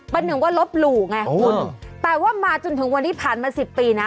หนึ่งว่าลบหลู่ไงคุณแต่ว่ามาจนถึงวันนี้ผ่านมาสิบปีนะ